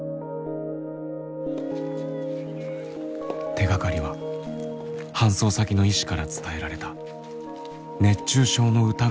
手がかりは搬送先の医師から伝えられた熱中症の疑いもあるという言葉。